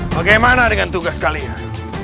bagaimana dengan tugas kalian